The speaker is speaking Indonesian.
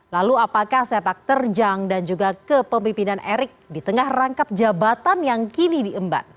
lalu apakah sepak terjang dan juga kepemimpinan erick di tengah rangkap jabatan yang kini diemban